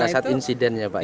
saat insiden ya pak